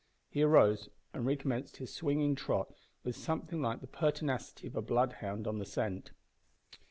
He arose and recommenced his swinging trot with something like the pertinacity of a bloodhound on the scent.